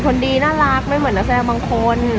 คนดีน่ารักไม่เหมือนนักแสดงบางคน